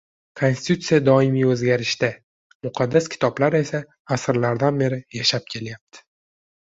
Konstitutsiya doimiy oʻzgarishda, muqaddas kitoblar esa asrlardan beri yashab kelyapti